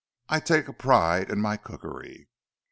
I take a pride in my cookery."